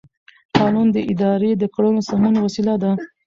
قانون د ادارې د کړنو د سمون وسیله ده.